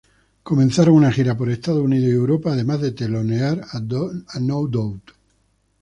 Comenzaron una gira por Estados Unidos y Europa además de telonear a No Doubt.